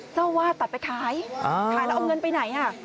เจ้าวาดตัดไปขายขายแล้วเอาเงินไปไหนอ่ะ